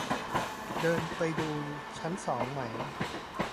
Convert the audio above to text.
เดินไปดูชั้นสองไหม